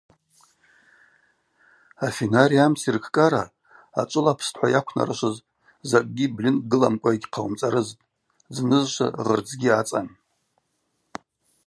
Афинари амци ркӏкӏара ачӏвылапстхӏва йаквнарышвыз закӏгьи бльынкӏ гыламкӏва йгьхъауымцӏарызтӏ, дзнызшва гъырдзгьи ацӏан.